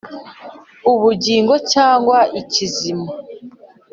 ubugingo cyangwa ikizima